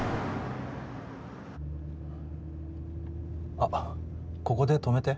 あっここで止めて。